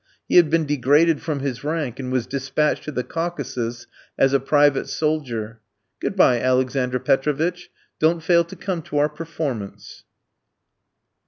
He had been degraded from his rank, and was despatched to the Caucasus as a private soldier. Good bye, Alexander Petrovitch. Don't fail to come to our performance."